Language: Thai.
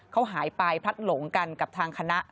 เขาหายไปพลัดหลงกันกับทางคณะ